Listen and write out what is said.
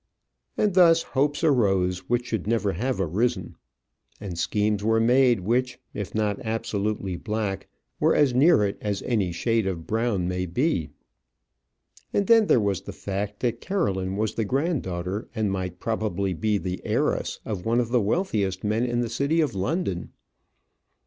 And thus hopes rose which should never have risen, and schemes were made which, if not absolutely black, were as near it as any shade of brown may be. And then there was the fact that Caroline was the granddaughter, and might probably be the heiress, of one of the wealthiest men in the city of London.